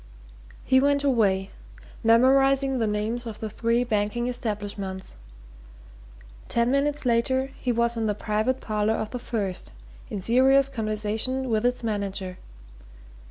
He went away, memorizing the names of the three banking establishments ten minutes later he was in the private parlour of the first, in serious conversation with its manager.